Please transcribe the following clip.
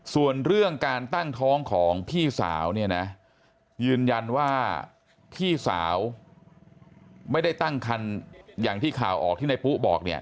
ส่วนเรื่องการตั้งท้องของพี่สาวเนี่ยนะยืนยันว่าพี่สาวไม่ได้ตั้งคันอย่างที่ข่าวออกที่ในปุ๊บอกเนี่ย